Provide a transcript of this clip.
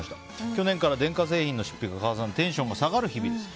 去年から電化製品の出費がかさみテンションが下がる日々です。